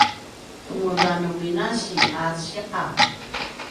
kemuda nu minasi a ciqaw?